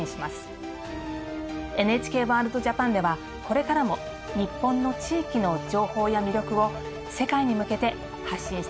「ＮＨＫワールドＪＡＰＡＮ」ではこれからも日本の地域の情報や魅力を世界に向けて発信してまいります。